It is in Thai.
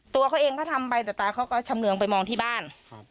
ตัวเขาเองก็ทำไปแต่ตาเขาก็ชำเรืองไปมองที่บ้าน